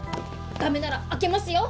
駄目なら開けますよ！